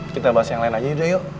kita bahas yang lain aja deh yuk